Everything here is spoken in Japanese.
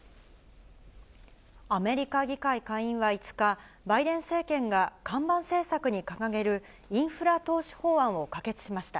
アメリカ議会下院は５日、バイデン政権が看板政策に掲げるインフラ投資法案を可決しました。